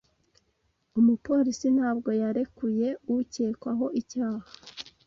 Umupolisi ntabwo yarekuye ukekwaho icyaha.